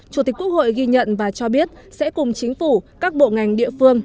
chủ tịch quốc hội ghi nhận và cho biết sẽ cùng chính phủ các bộ ngành địa phương